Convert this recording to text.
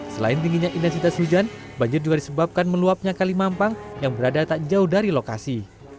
selain tingginya intensitas hujan banjir juga disebabkan meluapnya kali mampang yang berada tak jauh dari lokasi